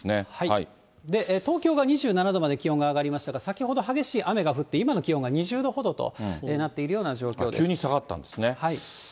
東京が２７度まで気温が上がりましたが、先ほど激しい雨が降って、今の気温が２０度ほどとなってい急に下がったんですね。